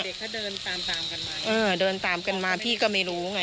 เด็กก็เดินตามตามกันมาเออเดินตามกันมาพี่ก็ไม่รู้ไง